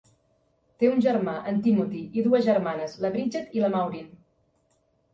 Té un germà, en Timothy, i dues germanes, la Bridget i la Maureen.